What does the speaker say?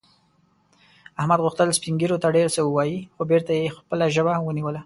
احمد غوښتل سپین ږیرو ته ډېر څه ووايي، خو بېرته یې خپله ژبه ونیوله.